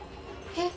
えっ？